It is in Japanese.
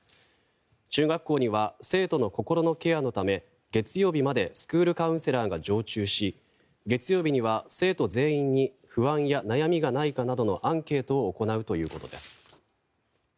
中学校には生徒の心のケアのため月曜日までスクールカウンセラーが常駐し月曜日には生徒全員に不安や悩みがないかなどのアンケートを行うということです。